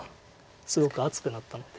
すごく厚くなったので。